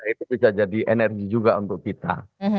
itu bisa jadi energi juga untuk kita